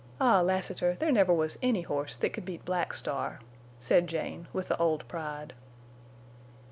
"Ah, Lassiter, there never was any horse that could beat Black Star," said Jane, with the old pride.